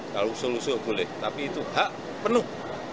kalau usul usul boleh tapi itu hak penuh